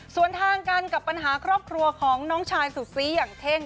ส่วนทางกันกับปัญหาครอบครัวของน้องชายสุดซีอย่างเท่ง